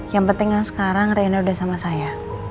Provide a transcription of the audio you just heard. yang penting sekarang reyna sudah sama saya